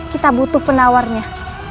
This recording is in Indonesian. kita butuh men shader habitat